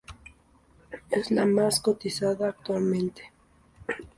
Es la más cotizada actualmente.